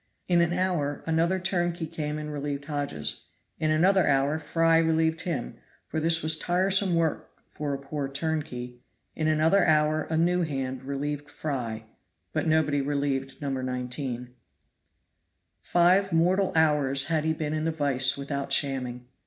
In an hour another turnkey came and relieved Hodges in another hour Fry relieved him, for this was tiresome work for a poor turnkey in another hour a new hand relieved Fry, but nobody relieved No. 19. Five mortal hours had he been in the vice without shamming.